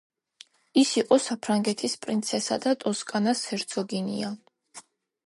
ის იყო საფრანგეთის პრინცესა და ტოსკანას ჰერცოგინია.